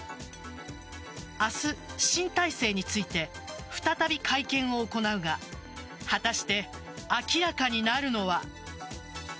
明日、新体制について再び会見を行うが果たして明らかになるのは。